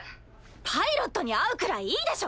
パイロットに会うくらいいいでしょ！